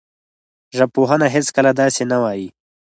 ژبپوهنه هېڅکله داسې نه وايي